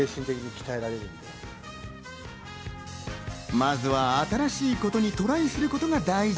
まずは新しいことにトライすることが大事。